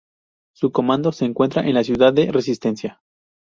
Su Comando se encuentra en la ciudad de Resistencia.